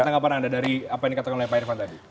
tanggapan anda dari apa yang dikatakan oleh pak irvan tadi